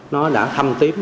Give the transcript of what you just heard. nó đã thâm tím